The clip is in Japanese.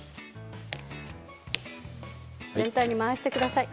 全体に回してください。